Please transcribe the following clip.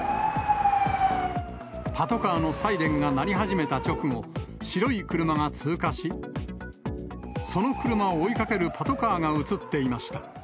パトカーのサイレンが鳴り始めた直後、白い車が通過し、その車を追いかけるパトカーが写っていました。